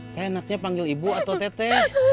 saya enaknya panggil ibu atau tete